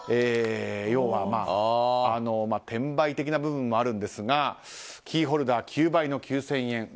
要は、転売的な部分もあるんですがキーホルダー９倍の９０００円